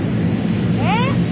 えっ？